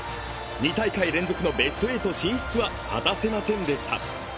２大会連続のベスト８進出は果たせませんでした。